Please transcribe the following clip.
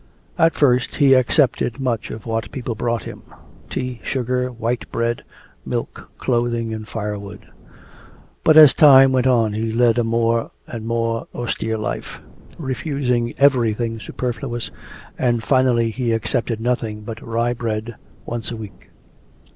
At first he accepted much of what people brought him tea, sugar, white bread, milk, clothing, and fire wood. But as time went on he led a more and more austere life, refusing everything superfluous, and finally he accepted nothing but rye bread once a week.